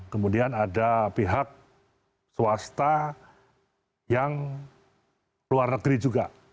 kemudian ada pihak swasta yang luar negeri juga